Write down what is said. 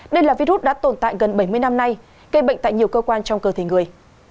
đây là virus đã tồn tại gần bảy mươi năm nay gây bệnh tại nhiều cơ quan trong cơ thể người